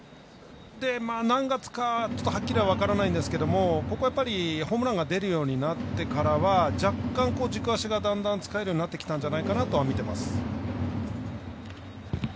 何月かはっきりは分からないんですがホームランが出るようになってからは若干、軸足がだんだん使えるようになってきたんじゃないかなと見てます。